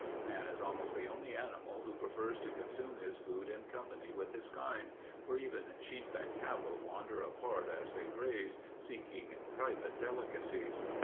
Man is almost the only animal who prefers to consume his food in company with his kind, for even sheep and cattle wander apart as they graze, seeking private delicacies.